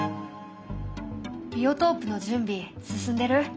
ビオトープの準備進んでる？